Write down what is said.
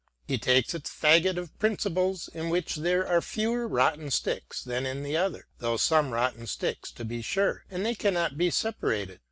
He takes its faggot of principles in which there are fewer rotten sticks than in the other, though some rotten sticks to be sure ; and they cannot well be separated.